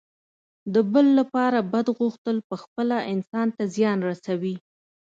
د بل لپاره بد غوښتل پخپله انسان ته زیان رسوي.